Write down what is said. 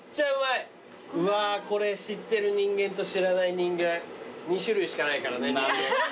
うわこれ知ってる人間と知らない人間２種類しかないからね。